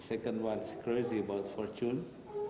yang kedua adalah orang gila tentang keuntungan